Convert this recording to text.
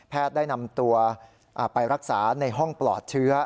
ได้นำตัวไปรักษาในห้องปลอดเชื้อ